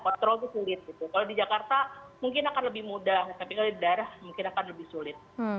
kalau di jakarta mungkin akan lebih mudah tapi di daerah mungkin akan lebih sulit